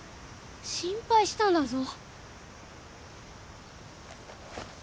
心配したんだぞ。